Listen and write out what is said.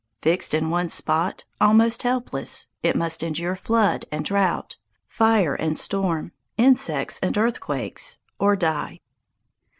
Fixed in one spot, almost helpless, it must endure flood and drought, fire and storm, insects and earthquakes, or die.